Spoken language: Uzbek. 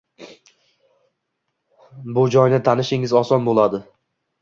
bu joyni tanishingiz oson bo ‘ladi.